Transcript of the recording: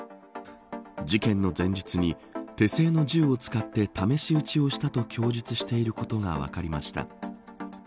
事件の前日に手製の銃を使って試し撃ちをしたと供述していることが分かりました。